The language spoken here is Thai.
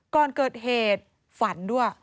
ก่อนเกิดเหตุฝันด้วย